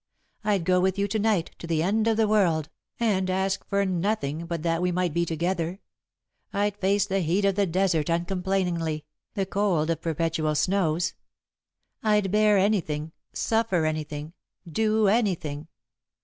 I'd go with you to night, to the end of the world, and ask for nothing but that we might be together. I'd face the heat of the desert uncomplainingly, the cold of perpetual snows. I'd bear anything, suffer anything, do anything.